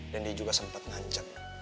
dan dia juga sempat ngancam